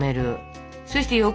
そして横。